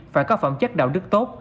phải có phẩm chất đạo đức tốt